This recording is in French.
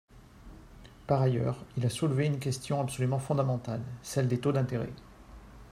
Par ailleurs, il a soulevé une question absolument fondamentale, celle des taux d’intérêt.